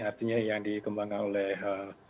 artinya yang dikembangkan oleh